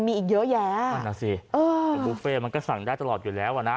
มีอีกเยอะแยะเออนะสิบุฟเฟ่มันก็สั่งได้ตลอดอยู่แล้วนะ